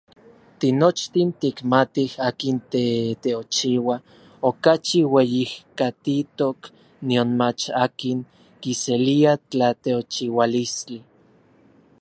Tinochtin tikmatij akin teteochiua okachi ueyijkatitok nionmach akin kiselia tlateochiualistli.